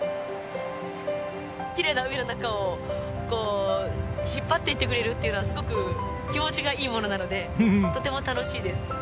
きれいな海の中を引っ張っていってくれるっていうのはすごく気持ちがいいものなのでとても楽しいです。